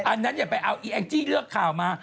อันนั้นอย่าไปเอาอีแองจี้เลือกข่าวมา